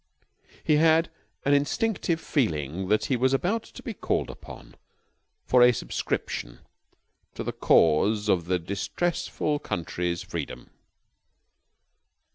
He had an instinctive feeling that he was about to be called upon for a subscription to the cause of the distressful country's freedom.